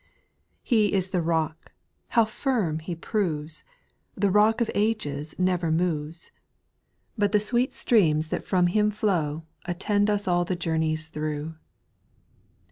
4. He is the Rock — how firm He proves ! The Rock of ages never moves ; But the sweet streams that from Him flow^ Attend us all the journey through.